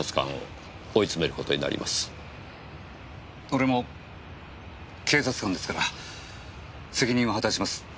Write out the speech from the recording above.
俺も警察官ですから責任は果たします。